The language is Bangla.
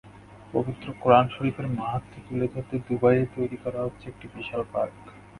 পবিত্র কোরআন শরিফের মাহাত্ম তুলে ধরতে দুবাইয়ে তৈরি করা হচ্ছে একটি বিশাল পার্ক।